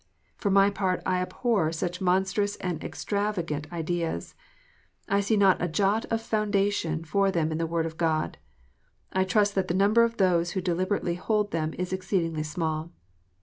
For my part I abhor such monstrous and extravagant ideas. I see not a jot of foundation for them in the Word of God. I trust that the number of those who deliberately hold them is exceedingly small.